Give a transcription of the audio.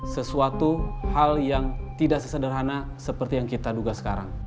sesuatu hal yang tidak sesederhana seperti yang kita duga sekarang